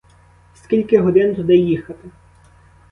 Скільки годин туди їхати?